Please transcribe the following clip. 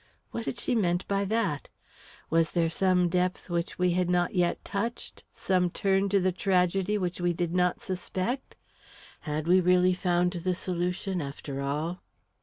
What had she meant by that? Was there some depth which we had not yet touched, some turn to the tragedy which we did not suspect? Had we really found the solution, after all?